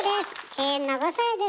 永遠の５さいです。